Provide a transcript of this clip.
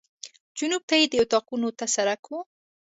جنوب ته یې د اطاقونو ته سړک و.